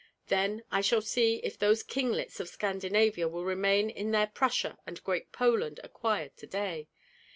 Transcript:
Then I shall see if those kinglets of Scandinavia will remain in their Prussia and Great Poland acquired to day.